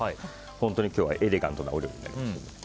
本当に今日はエレガントなお料理です。